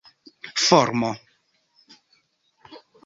formo